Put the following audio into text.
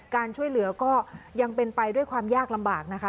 การช่วยเหลือก็ยังเป็นไปด้วยความยากลำบากนะคะ